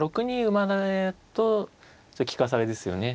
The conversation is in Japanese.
馬だとちょっと利かされですよね。